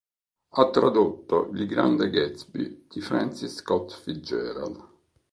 Ha tradotto "Il grande Gatsby" di Francis Scott Fitzgerald.